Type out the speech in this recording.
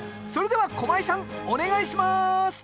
それでは駒井さんお願いします！